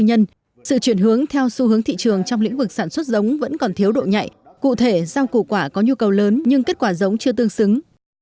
tuy nhiên sự chuyển hướng theo xu hướng thị trường trong lĩnh vực sản xuất giống vẫn còn thiếu độ nhạy cụ thể rau củ quả có nhu cầu lớn nhưng kết quả giống chưa tương xứng